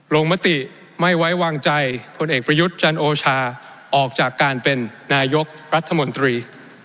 มติไม่ไว้วางใจพลเอกประยุทธ์จันโอชาออกจากการเป็นนายกรัฐมนตรี